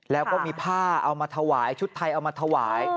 แล้วก็มีผ้าเอามาถวายชุดไทยเอามาถวาย